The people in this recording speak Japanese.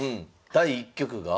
第１局が？